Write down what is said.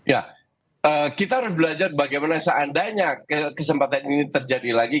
ya kita harus belajar bagaimana seandainya kesempatan ini terjadi lagi